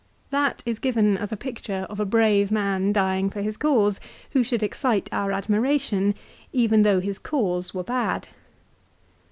That is given as a picture of a brave man dying for his cause, who should excite our admiration even though his cause were bad.